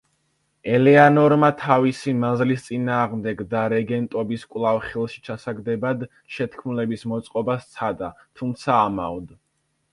ელეანორმა თავისი მაზლის წინააღმდეგ და რეგენტობის კვლავ ხელში ჩასაგდებად შეთქმულების მოწყობა სცადა, თუმცა ამაოდ.